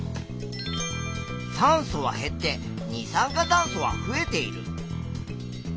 酸素は減って二酸化炭素は増えている。